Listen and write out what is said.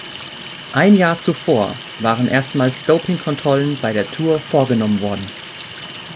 Ein Jahr zuvor waren erstmals Doping-Kontrollen bei der Tour vorgenommen worden.